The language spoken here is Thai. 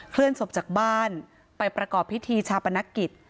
เลื่อนศพจากบ้านไปประกอบพิธีชาปนกิจ